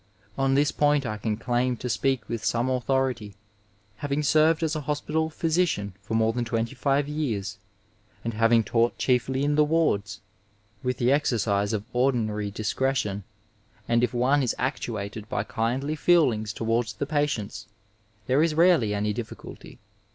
On this point I can daim to speak with some authority, having served as a hospital physician for more than 25 years, and having taught chiefly in the wards. With the exercise of ordinary dis* cretion, and if one is actuated by kindly feelings towards the patients, there is rarely any difficulty.